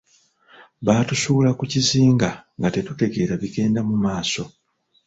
Baatusuula ku kizinga nga tetutegeera bigenda mu maaso.